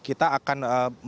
kita akan menggali keterangan